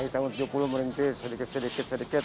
tahun tujuh puluh merintis sedikit sedikit